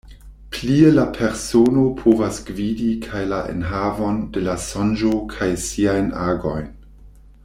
Plie la persono povas gvidi kaj la enhavon de la sonĝo kaj siajn agojn.